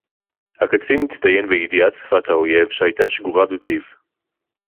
הַקָּצִין הִצְטַיֵּן בִּידִיעַת שְׂפַת הָאוֹיֵב שֶׁהָיְתָה שְׁגוּרָה בְּפִיו